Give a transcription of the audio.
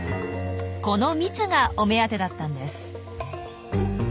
この蜜がお目当てだったんです。